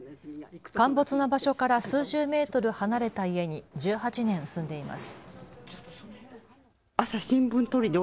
陥没の場所から数十メートル離れた家に１８年住んでいます。